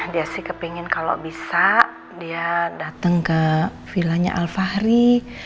dia sih kepengen kalau bisa dia datang ke vilanya al fahri